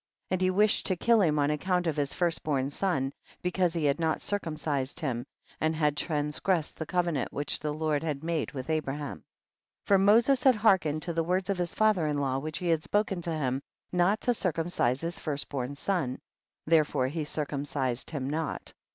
And he wished to kill him on account of his first born son, because he had not circumcised him, and had transgressed the covenant which the Lord had made with Abraham. 10. For Moses had hearkened to the words of his father in law wliich he had spoken to him, not to circum cise his first born son, therefore he circumcised him not. 1 1